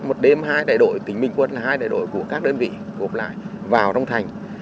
một đêm hai đại đội tỉnh bình quân là hai đại đội của các đơn vị gộp lại vào trong thành